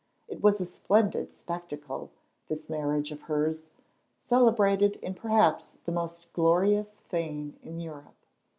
It was a splendid spectacle, this marriage of hers, celebrated in perhaps the most glorious fane in Europe.